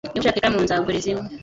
Niba ushaka ikaramu, nzaguriza imwe.